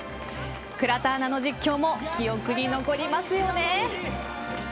倉田アナの実況も記憶に残りますよね。